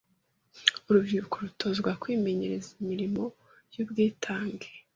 urubyiruko rutozwa kwimenyereza imirimo y’ubwitange